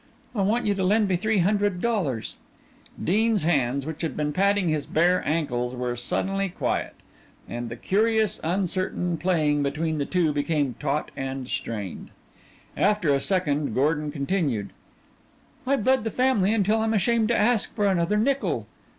I want you to lend me three hundred dollars." Dean's hands, which had been patting his bare ankles, were suddenly quiet and the curious uncertainty playing between the two became taut and strained. After a second Gordon continued: "I've bled the family until I'm ashamed to ask for another nickel."